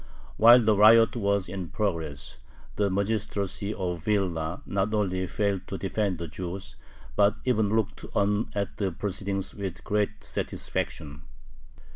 While the riot was in progress, the magistracy of Vilna not only failed to defend the Jews, but even looked on at the proceedings "with great satisfaction."